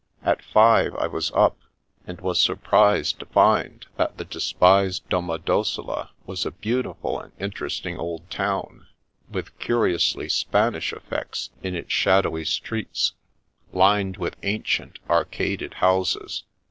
At five, I was up, and was surprised to find that the despised Domodossola was a beauti ful and interesting old town, with curiously Spanish effects in its shadowy streets, lined with ancient, arcaded houses.